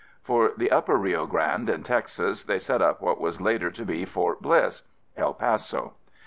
For the upper Rio Grande in Texas, they set up what was later to be Fort Bliss (El Paso).